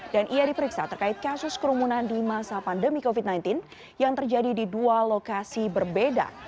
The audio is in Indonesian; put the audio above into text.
dan ia diperiksa terkait kasus kerumunan di masa pandemi covid sembilan belas yang terjadi di dua lokasi berbeda